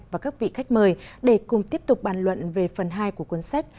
và các vị khách mời để cùng tiếp tục bàn luận về phần hai của cuốn sách